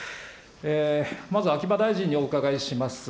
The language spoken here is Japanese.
まず秋葉大臣にお伺いします。